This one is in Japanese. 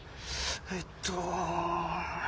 えっと。